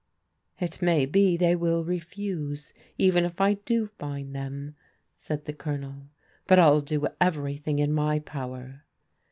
" It may be they will refuse, even if I do find them," said the Colonel, " but I'll do everything in my power."